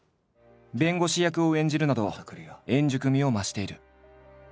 弁護士役を演じるなど円熟味を増している。